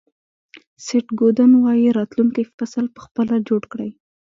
سیټ گودن وایي راتلونکی فصل په خپله جوړ کړئ.